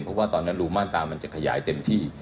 เพราะว่าตอนนั้นรูมาตรามันจะขยายเต็มที่